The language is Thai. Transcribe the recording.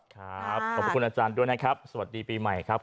ขอบคุณอาจารย์ด้วยนะครับสวัสดีปีใหม่ครับ